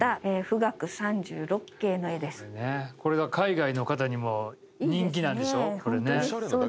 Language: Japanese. これが海外の方にも人気なんでしょ。